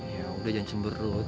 ya udah jangan cemberut